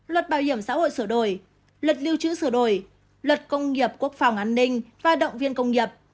luật bảo hiểm xã hội sửa đổi luật lưu trữ sửa đổi luật công nghiệp quốc phòng an ninh và động viên công nghiệp